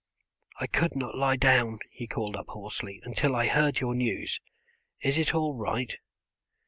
"I could not lie down," he called up hoarsely, "until I heard your news. Is it all right?"